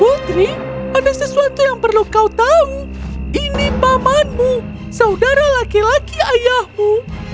putri ada sesuatu yang perlu kau tahu ini pamanmu saudara laki laki ayahmu